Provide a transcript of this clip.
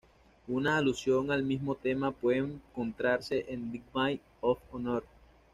Una alusión al mismo tema puede encontrarse en "The Maid of Honor".